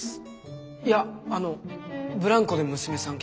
いやあのブランコで娘さん